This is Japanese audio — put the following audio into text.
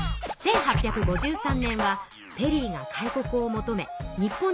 １８５３年はペリーが開国を求め日本にやって来た年。